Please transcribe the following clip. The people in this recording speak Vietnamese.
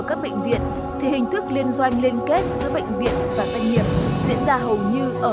các bệnh viện thì hình thức liên doanh liên kết giữa bệnh viện và doanh nghiệp diễn ra hầu như ở